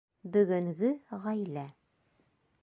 Бөгөнгө ғаилә.